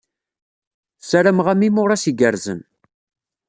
Ssarameɣ-am imuras igerrzen.